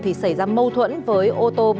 thì xảy ra mâu thuẫn với ô tô